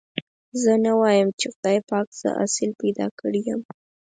زه نه وايم چې خدای پاک زه اصيل پيدا کړي يم.